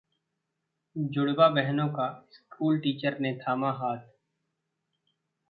जुड़वा बहनों का स्कूल टीचर ने थामा हाथ